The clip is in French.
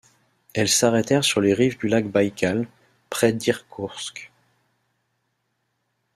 Elles s'arrêtèrent sur les rives du lac Baïkal, près d'Irkoutsk.